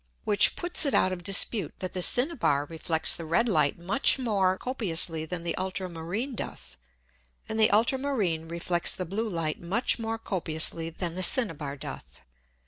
Which puts it out of dispute that the Cinnaber reflects the red Light much more copiously than the ultra marine doth, and the ultra marine reflects the blue Light much more copiously than the Cinnaber doth.